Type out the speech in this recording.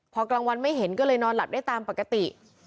พอกลางวันไม่เห็นก็เลยนอนหลับได้ตามปกติ